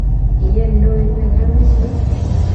Kiyee ndoit ne kiromen beek